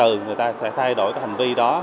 và từ từ người ta sẽ thay đổi hành vi đó